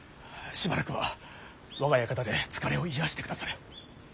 しばらくは我が館で疲れを癒やしてくだされ。